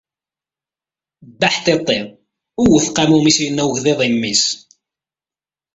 Bbaḥ ṭiṭi, ewt aqamum, i as-yenna ugḍiḍ i mmi-s